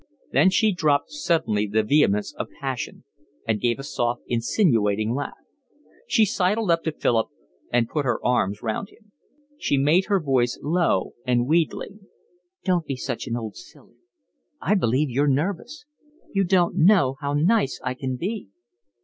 Then she dropped suddenly the vehemence of passion and gave a soft, insinuating laugh. She sidled up to Philip and put her arms round him. She made her voice low and wheedling. "Don't be such an old silly. I believe you're nervous. You don't know how nice I can be."